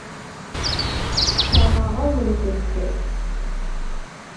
Sseṛɣeɣ-awen-tent.